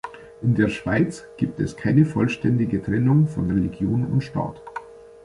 In der Schweiz gibt es keine vollständige Trennung von Religion und Staat.